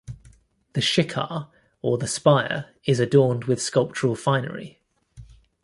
The "shikhar" or the spire is adorned with sculptural finery.